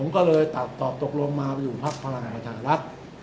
ก็เลยตัดตอบตกลงมาไปอยู่พักพลังประชารัฐ